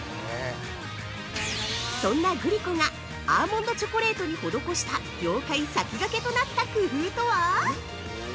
そんなグリコがアーモンドチョコレートに施した業界先駆けとなった工夫とは？